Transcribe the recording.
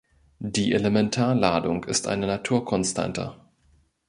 Die Elementarladung ist eine Naturkonstante.